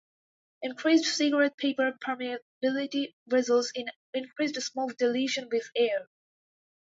Increased cigarette paper permeability results in increased smoke dilution with air.